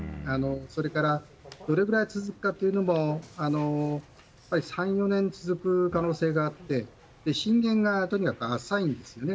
それからどれぐらい続くかというのも３４年続く可能性があって震源が、とにかく浅いんですよね。